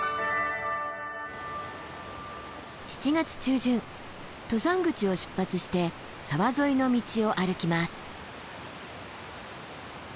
７月中旬登山口を出発して沢沿いの道を歩きます。